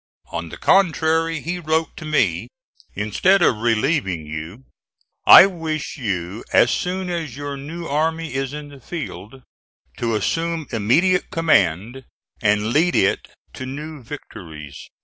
On the contrary, he wrote to me, "Instead of relieving you, I wish you, as soon as your new army is in the field, to assume immediate command, and lead it to new victories."